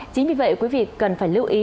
chính vì vậy quý vị cần phải lưu ý